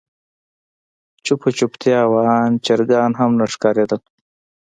چوپه چوپتيا وه آن چرګان هم نه ښکارېدل.